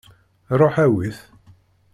Ruḥ awi-t.